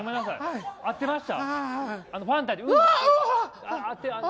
合ってました？